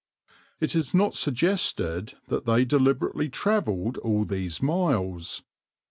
It is not suggested that they deliberately travelled all these miles.